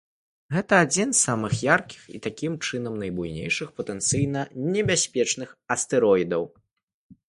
Гэта адзін з самых яркіх і, такім чынам, найбуйнейшых патэнцыйна небяспечных астэроідаў.